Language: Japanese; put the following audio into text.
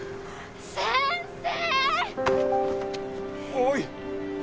おい。